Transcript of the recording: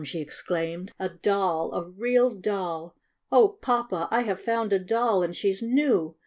she ex claimed. "A doll! A real doll! Oh, Papa! I have found a doll and she's new!